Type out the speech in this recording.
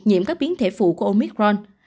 nhiễm các biến thể phụ của omicron